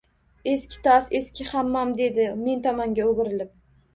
Eski tos, eski hammom, dedi men tomonga o`grilib